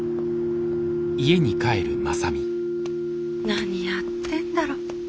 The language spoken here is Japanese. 何やってんだろ。